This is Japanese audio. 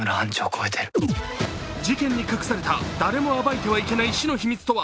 事件に隠された誰も暴いてはいけない死の秘密とは。